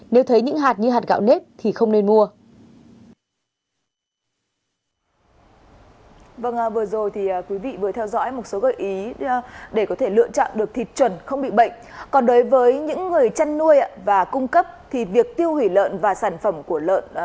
nếu thấy những hạt như hạt gạo nếp thì không nên mua